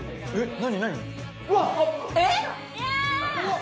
何？